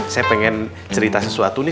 saya pengen cerita sesuatu nih